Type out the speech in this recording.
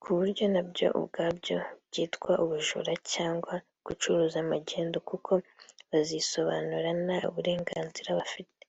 ku buryo nabyo ubwabyo byitwa ubujura cyangwa gucuruza magendu kuko bazisobanura nta burenganzira bafite